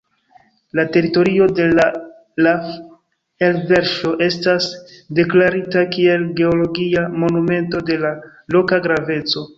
La teritorio de la laf-elverŝo estas deklarita kiel geologia monumento de la loka graveco.